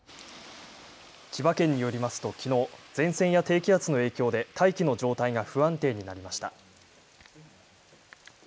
千葉県によりますときのう、前線や低気圧の影響で大気の状態が不安定になりました。